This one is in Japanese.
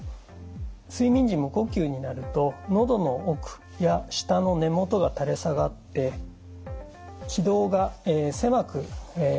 睡眠時無呼吸になるとのどの奥や舌の根もとが垂れ下がって気道が狭くなってきます。